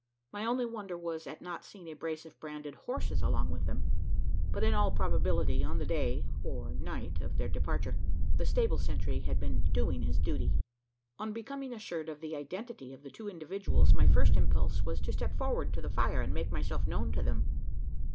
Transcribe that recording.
My only wonder was at not seeing a brace of branded horses along with them; but in all probability, on the day or night of their departure, the stable sentry had been doing his duty. On becoming assured of the identity of the two individuals, my first impulse was to step forward to the fire, and make myself known to them.